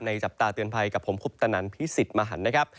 จับตาเตือนภัยกับผมคุปตนันพิสิทธิ์มหันต์นะครับ